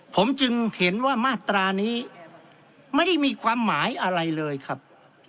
ผมจึงเห็นว่ามาตรานี้ไม่ได้มีความหมายอะไรเลยครับ